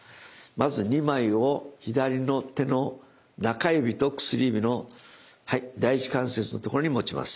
まず２枚を左の手の中指と薬指の第一関節のところに持ちます。